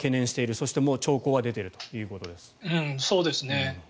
そして、もう兆候は出ているということです。